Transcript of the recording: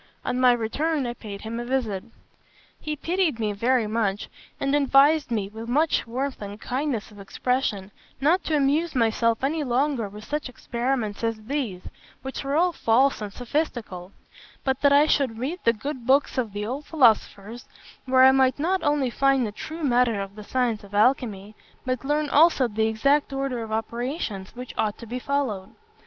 On my return, I paid him a visit. He pitied me very much, and advised me, with much warmth and kindness of expression, not to amuse myself any longer with such experiments as these, which were all false and sophistical; but that I should read the good books of the old philosophers, where I might not only find the true matter of the science of alchymy, but learn also the exact order of operations which ought to be followed.